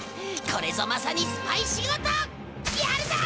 これぞまさにスパイ仕事！やるぞ！